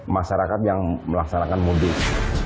masyarakat yang melaksanakan mudik